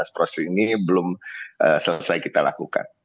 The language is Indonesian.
proses ini belum selesai kita lakukan